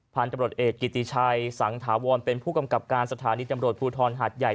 พันธุ์ตำรวจเอกกิติชัยสังถาวรเป็นผู้กำกับการสถานีตำรวจภูทรหาดใหญ่